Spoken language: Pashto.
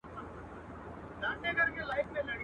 ما پخوا لا ستا تر مخه باندي ایښي دي لاسونه.